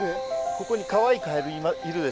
ここにかわいいカエルいるでしょう？